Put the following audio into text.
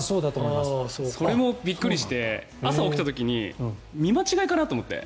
それもびっくりして朝、起きた時に見間違いかなと思って。